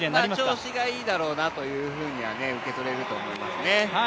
調子がいいだろうなという感じには受け取れると思いますね。